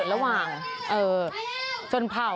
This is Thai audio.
ระหว่างชนเผ่า